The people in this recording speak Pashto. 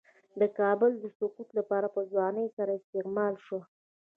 د کابل د سقوط لپاره په ناځوانۍ سره استعمال شو.